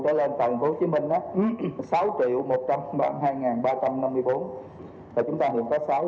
tại thành phố hồ chí minh đó sáu triệu một trăm hai ngàn ba trăm năm mươi bốn chúng ta luôn có sáu